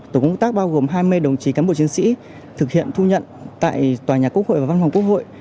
tổ công tác bao gồm hai mươi đồng chí cán bộ chiến sĩ thực hiện thu nhận tại tòa nhà quốc hội và văn phòng quốc hội